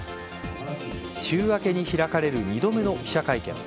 週明けに開かれる２度目の記者会見。